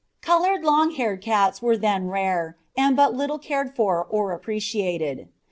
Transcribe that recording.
Coloured long haired cats were then rare, and but little cared for or appreciated.